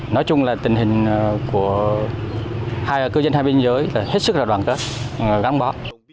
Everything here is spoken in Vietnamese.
nói chung là tình hình của cư dân hai biên giới là hết sức đoàn kết gắn bó